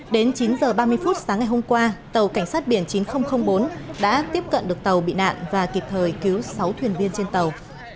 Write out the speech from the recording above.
đến chín h ba mươi phút sáng ngày hôm qua tàu cảnh sát biển chín nghìn bốn đã tiếp cận được tàu bị nạn và kịp thời cứu sáu thuyền viên trên tàu